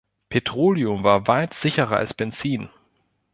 Petroleum war weit sicherer als Benzin.